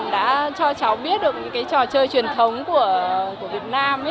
đã cho cháu biết được những cái trò chơi truyền thống của việt nam